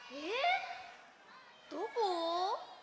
どこ？